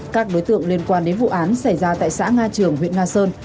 các đối tượng liên quan đến vụ án xảy ra tại xã nga trường huyện nga sơn